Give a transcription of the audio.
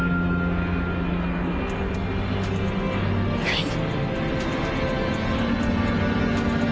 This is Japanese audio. はい。